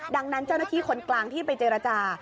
ดังนั้นเจ้าหน้าที่คนกลางที่ไปเจรจา